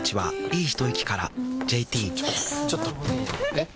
えっ⁉